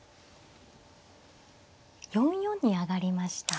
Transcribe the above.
４四に上がりました。